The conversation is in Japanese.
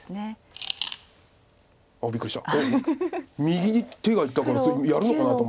右に手がいったからやるのかなと。